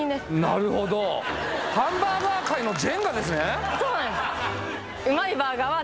なるほどハンバーガー界のジェンガですねそうなんです